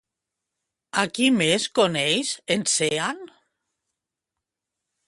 A qui més coneix en Sean?